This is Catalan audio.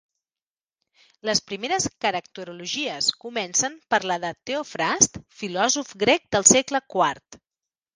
Les primeres caracterologies comencen per la de Teofrast, filòsof grec del segle quart.